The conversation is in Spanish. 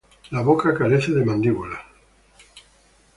La boca carece de mandíbulas.